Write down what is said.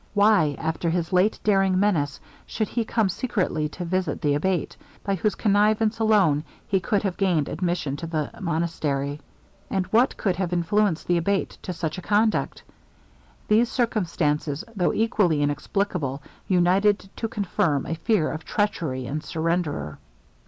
Why, after his late daring menace, should he come secretly to visit the Abate, by whose connivance alone he could have gained admission to the monastery? And what could have influenced the Abate to such a conduct? These circumstances, though equally inexplicable, united to confirm a fear of treachery and surrender.